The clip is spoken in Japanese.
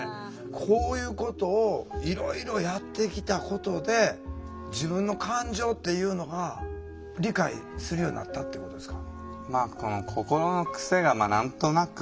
こういうことをいろいろやってきたことで自分の感情っていうのが理解するようになったってことですか？